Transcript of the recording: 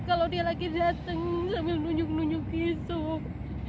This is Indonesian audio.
kalau dia lagi datang sambil nunjuk nunjuk yusuf